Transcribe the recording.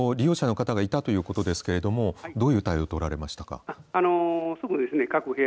地震発生がした直後は利用者の方がいたということですけれどもどういう対応を取られましたか。